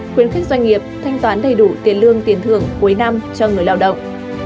khuyến khích doanh nghiệp thanh toán đầy đủ tiền lương tiền thưởng cuối năm cho người lao động